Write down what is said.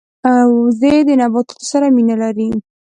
وزې د نباتاتو سره مینه لري